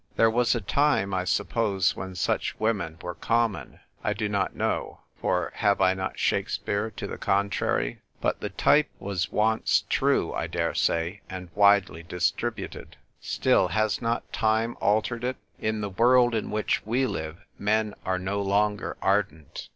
There was a time, I suppose, when such women were common. I do not know — for have I not Shakespeare to the contrary ? But the type was once true, I dare say, and widely distributed. Still, has not time altered it ? In the world in which we live men are no longer ardent.